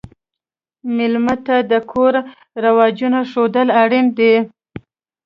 مېلمه ته د کور رواجونه ښودل اړین نه دي.